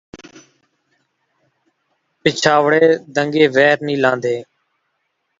نحر نحر بھیݙاں چریسیں ؟ جتّی پٹکا وی کینا گھنساں